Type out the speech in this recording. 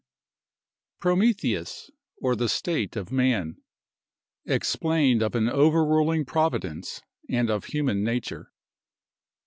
—PROMETHEUS, OR THE STATE OF MAN. EXPLAINED OF AN OVERRULING PROVIDENCE, AND OF HUMAN NATURE.